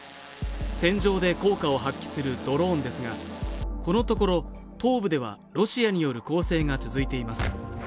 戦場で効果を発揮するドローンですがこのところ東部ではロシアによる攻勢が続いています